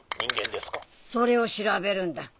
それを調べるんだ